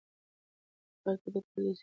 موږ باید په پردیسۍ کې یو بل ته لاس ورکړو.